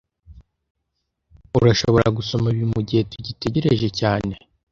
Urashobora gusoma ibi mugihe tugitegereje cyane